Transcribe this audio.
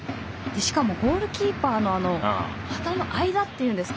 しかもゴールキーパーの股の間っていうんですか。